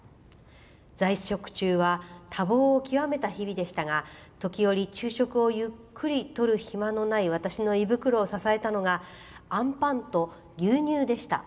在職中は多忙を極めた日々でしたが時折、昼食をゆっくりとる暇のない私の胃袋を支えたのがあんパンと牛乳でした。